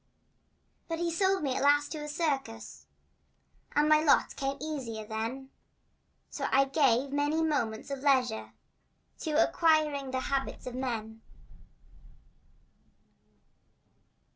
But he sold me at last to a circus And my lot became easier then, So I gave many moments of leisure To acquiring the habits of men.